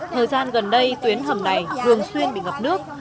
thời gian gần đây tuyến hầm này thường xuyên bị ngập nước